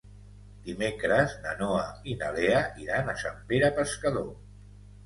Dimecres na Noa i na Lea iran a Sant Pere Pescador.